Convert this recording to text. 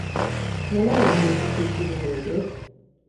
Nola landu dituzu isilune horiek?